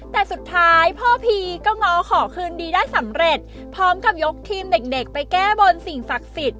แต่สุดท้ายพ่อพีก็ง้อขอคืนดีได้สำเร็จพร้อมกับยกทีมเด็กไปแก้บนสิ่งศักดิ์สิทธิ